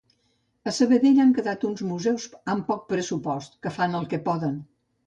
A Sabadell han quedat uns museus amb poc pressupost que fan el que poden